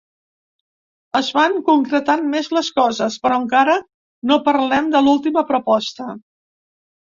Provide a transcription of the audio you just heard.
Es van concretant més les coses, però encara no parlem de l’última proposta.